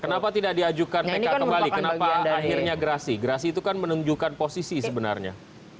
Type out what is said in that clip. kenapa tidak diajukan pk kembali kenapa akhirnya gerasi gerasi itu kan menunjukkan posisi sebenarnya